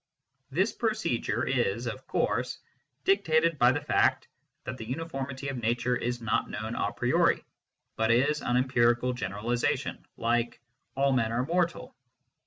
This procedure is, of course, dictated by the fact that the uniformity of nature is not known a priori, but is an empirical generalisation, like " all men are mortal."